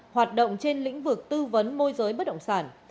hoạt động trên lĩnh vực tư vấn môi giới bất động sản